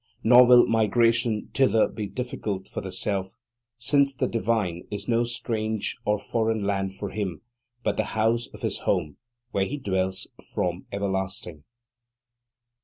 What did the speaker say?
Nor will migration thither be difficult for the Self, since the divine is no strange or foreign land for him, but the house of his home, where he dwells from everlasting.